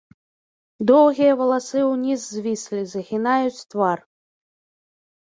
Доўгія валасы ўніз звіслі, захінаюць твар.